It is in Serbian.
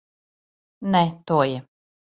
Не, то је.